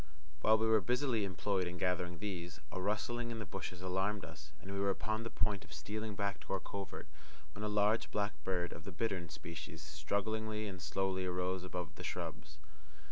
While we were busily employed in gathering these, a rustling in the bushes alarmed us, and we were upon the point of stealing back to our covert, when a large black bird of the bittern species strugglingly and slowly arose above the shrubs.